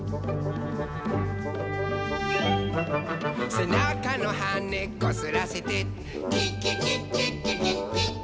「せなかのはねこすらせて」「キッキキッキッキキッキッキ」